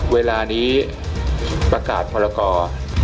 เวลานี้ประกาศพรกร